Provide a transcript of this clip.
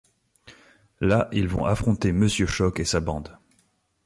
Là, ils vont affronter Monsieur Choc et sa bande.